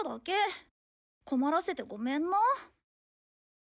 困らせてごめんな。